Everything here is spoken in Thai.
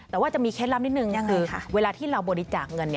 แต่ว่าจะมีเคล็ดลับนิดนึงก็คือเวลาที่เราบริจาคเงิน